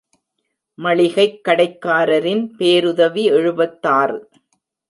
மளிகைக் கடைக்காரரின் பேருதவி எழுபத்தாறு.